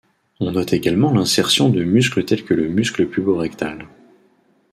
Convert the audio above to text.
On note également l'insertion de muscles tels que le muscle pubo-rectal.